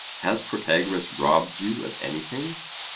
Has Protagoras robbed you of anything?